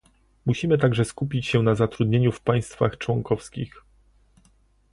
Musimy także skupić się na zatrudnieniu w państwach członkowskich